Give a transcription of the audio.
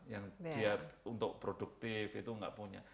yang dia untuk produktif itu nggak punya